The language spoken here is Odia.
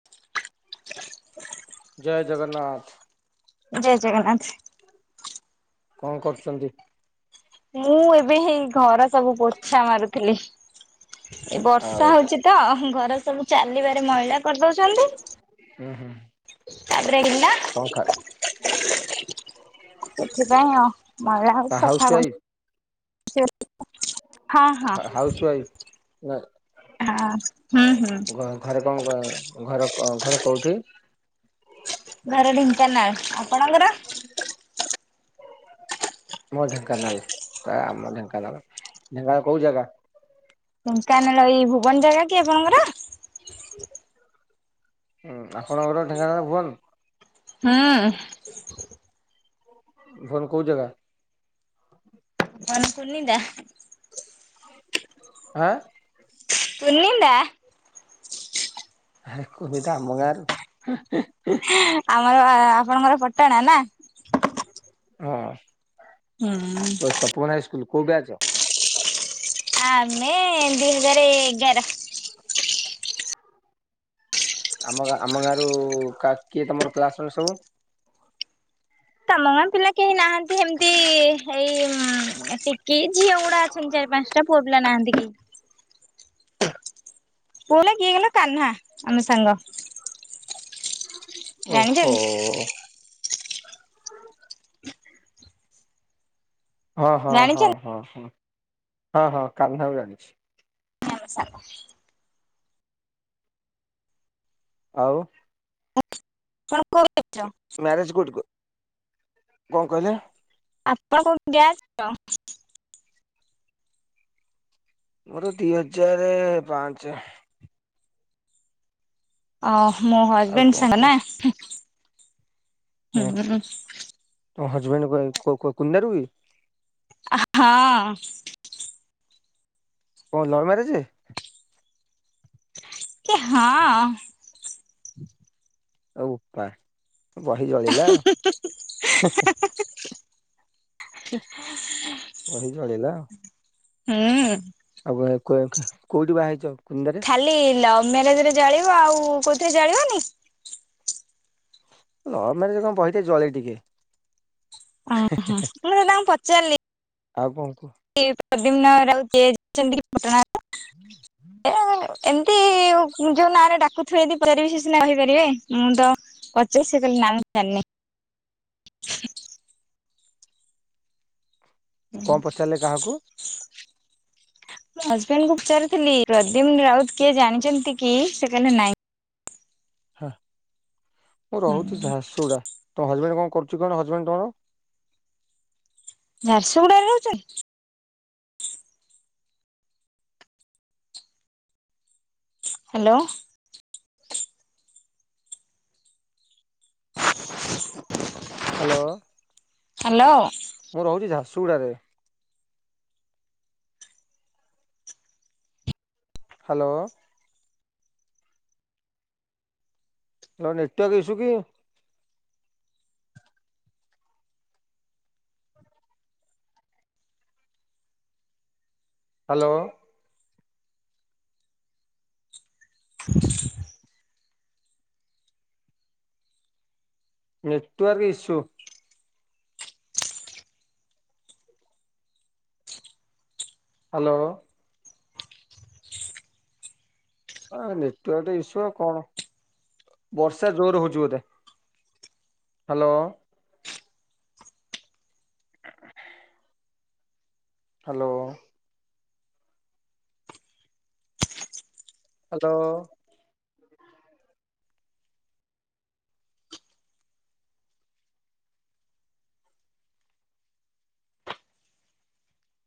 [unintelligible] ଜୟ ଜଗନ୍ନାଥ। ଜୟ ଜଗନ୍ନାଥ। କଣ କରୁଛନ୍ତି? ମୁଁ ଏବେ ହେଇ ଘର ସବୁ ପୋଛା ମାରୁଥିଲି। ଏ ବର୍ଷା ଆଉ ହଉଛି ତ ଘର ସବୁ ଚାଲିବାରେ ମଇଳା କରିଦଉଛନ୍ତି। ଉଁ ହୁଁ। ଆପରେ ଏକେଲା। କଣ ସେଥିପାଇଁ ଆଉ ମଇଳା ଖା ହୋଉଛି ହାଉସ ସଫା ୱାଇଫ କରୁ ହଁ ହଁ। ହଁ ନାଇଁ ହୁଁ ଆଉ ହୁଁ। ଘରେ ଘରେ କଣ କ ଘର ଘର କୋଉଠି? ଘର ଢେଙ୍କାନାଳ ଆପଣଙ୍କର? ମୋର ଢେଙ୍କାନାଲ୍ ତ ଆମ ଢେଙ୍କାନାଳ ଢେଙ୍କାନାଳ କୋଉ ଜାଗା? ଢେଙ୍କାନାଳ ଏଇ ଭୁବନ ଜାଗା କି ଆପଣଙ୍କର? ହୁଁ ଆପଣଙ୍କର ଢେଙ୍କାନାଲ ପୁଅନ୍। ହୁଁ। ଭୁନ୍ କୋଉ ଜାଗା? [inaudible] ପୂର୍ଣିନ୍ଦା। ଆଁ। ପୁନିନ୍ଦା। ଆ କୁନିଦା ଆମ ଗାଁ ରୁ। ଆମର ଆପଣଙ୍କର ପଟଣା ନା? ହୁଁ। ହୁଁ। ପୁଣା ସ୍କୁଲ କୋଉ ବ୍ୟାଚ୍? ହା ଆମେ ଦି ହଜାର ଏଗାର। ଆମ ଗାଁ ଆମ ଗାଁ ରୁ କିଏ ତମର କ୍ଲାସମେଟ ସବୁ? ତମ ଗାଁ ପିଲା କେହି ନାହାନ୍ତି ହେମିତି ଏଇ ଟିକି ଝିଅ ଗୁଡା ଅଛନ୍ତି ଚାରି ପାଞ୍ଚଟା ପୁଅ ପିଲା ନାହାନ୍ତି କିଏ। ପୁଅ କିଏକିନା କାହ୍ନା ଆମ ସାଙ୍ଗ। ଓହୋ। ଜାଣିଛନ୍ତି ହଁ ହଁ ହଁ ଜାଣିଛନ୍ତି ହଁ ହଁ ହଁ ହଁ କାନ୍ହା କୁ ଜଣିଚି। ମୋ ସାଙ୍ଗ। ଆଉ। [inaudible] ମ୍ୟାରେଜ୍ କୁଠି କ କ କହିଲେ? ଆପଣ କଉ ଗ୍ୟାସ୍ ର? ମୋର ଦି ହଜାର ପାଞ୍ଚ। ଓ ମୋ ଆଉ ହଜବେଣ୍ଡ କଣ ସାଙ୍ଗ କୁହ। ନା। ହଁ, ହୁଁ ତ ହଜବେଣ୍ଡ [unintelligible] କି? ଆ, ହଁ। କଣ ଲଭ୍ ମ୍ୟାରେଜ୍? କି ହଁ। ଆଉ ବୋପା ବହି ଜଳିଲା ଆଉ। ହେ, ହେ ହେ, ବହି ଜଳିଲା ଆଉ। ହୁଁ, ଆଉ କୋଉଠି ବାହା ହେଇଚ କୁନ୍ଦରେ? ଖାଲି ଲଭ୍ ମ୍ୟାରେଜ ରେ ଜାଳିବ ଆଉ କେଉଁଥିରେ ଜାଳିବନି? ଲଭ୍ ମ୍ୟାରେଜ କଣ ବହିଟିକେ ଜଳେ ଟିକେ। ଓହୋ, ମୁ [unintelligible] ତାଙ୍କୁ ପଚାରିଲି ଆଉ କଣ କୁହ? [unintelligible] ପଟଣା ଏ [inaudible] ଏମିତି ଯୋଉ ନାଁରେ ଡାକୁଥିବେ ଯଦି ପଚାରିବି ସେ ସିନା କହିପାରିବେ। ମୁଁ ତ [unintelligible] ସେ କହିଲେ ନା ମୁଁ ଜାଣିନି। [unintelligible] କଣ ପଚାରିଲେ କାହାକୁ ହୁଁ, ହଜବେଣ୍ଡ କୁ ପଚାରିଥିଲି ପ୍ରଦ୍ୟୁମ୍ନ ରାଉତ କିଏ ଜାଣିଛନ୍ତି କି ସେ କହିଲେ ନାଇଁ। ହା, ମୁଁ ରହୁଚି ହୁଁ ଝାରସୁଗୁଡ଼ା। ତୋ ହଜବେଣ୍ଟ କଣ କରୁଛି। କଣ କରୁଚି ହଜବେଣ୍ଟ ତମର? ଝାରସୁଗୁଡାରେ ରଉଛନ୍ତି। ହ୍ୟାଲୋ। [unintelligible] Hello hello. ମୁଁ ରହୁଛି ଝାରସୁଗୁଡ଼ାରେ। ହ୍ୟାଲୋ। ତମର ନେଟୱାର୍କ ଇସୁ କି? ହ୍ୟାଲୋ। ହ ନେଟୱାର୍କ ଇସୁ। ହ୍ୟାଲୋ। ହ ନେଟାୱାର୍କ ଇସୁ ଆ କଣ, ବର୍ଷା ଜୋର ହଉଛି ବୋଧେ? ହ୍ୟାଲୋ। [unintelligible] ହ୍ୟାଲୋ। ହ୍ୟାଲୋ।